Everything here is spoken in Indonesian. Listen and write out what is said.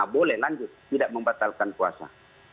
boleh lanjut tidak membatalkan puasa